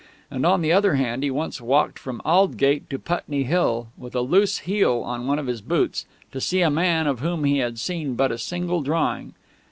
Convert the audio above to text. And on the other hand, he once walked from Aldgate to Putney Hill, with a loose heel on one of his boots, to see a man of whom he had seen but a single drawing.